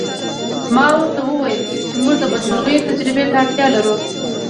ما ورته وویل چې موږ د بدمرغیو تجربې ته اړتیا لرو